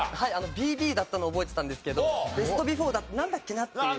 ＢＢだったのは覚えてたんですけどｂｅｓｔｂｅｆｏｒｅなんだっけな？っていう。